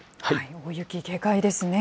大雪警戒ですね。